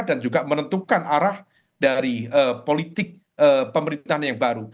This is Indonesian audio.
dan juga menentukan arah dari politik pemerintahan yang baru